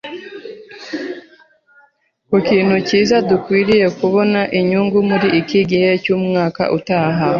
Ku kintu cyiza, dukwiye kubona inyungu muri iki gihe cyumwaka utaha.